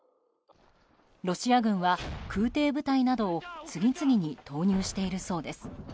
ロシア軍は空挺部隊などを次々に投入しているそうです。